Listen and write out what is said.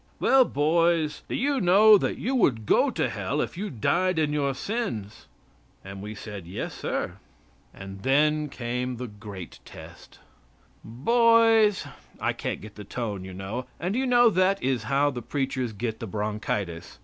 "Well, boys, do you know that you would go to Hell if you died in your sins?" And we said: "Yes, sir." And then came the great test: "Boys" I can't get the tone, you know. And do you know that is how the preachers get the bronchitis.